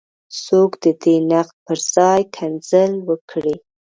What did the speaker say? څوک دې د نقد پر ځای کنځل وکړي.